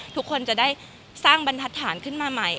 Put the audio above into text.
ทุกคนจะได้สร้างบรรทัศน์ขึ้นมาใหม่